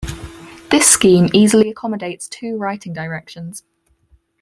This scheme easily accommodates two writing directions.